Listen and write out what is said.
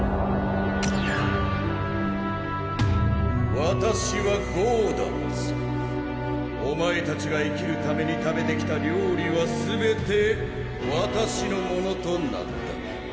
「わたしはゴーダッツ」「お前たちが生きるために食べてきた料理はすべてわたしのものとなった」